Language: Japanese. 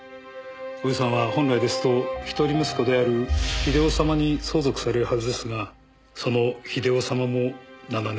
ご遺産は本来ですと１人息子である英雄様に相続されるはずですがその英雄様も７年前に。